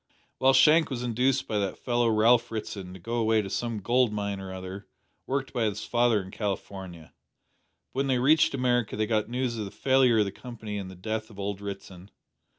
Well, Shank was induced by that fellow Ralph Ritson to go away to some gold mine or other worked by his father in California, but when they reached America they got news of the failure of the Company and the death of old Ritson.